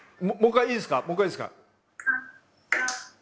もう一回いいですか？